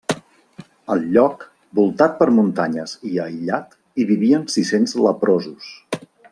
Al lloc, voltat per muntanyes i aïllat, hi vivien sis-cents leprosos.